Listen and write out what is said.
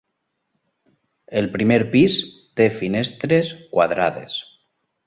El primer pis té finestres quadrades.